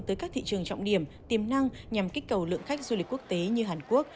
tới các thị trường trọng điểm tiềm năng nhằm kích cầu lượng khách du lịch quốc tế như hàn quốc